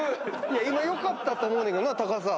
今良かったと思うねんけど高さ。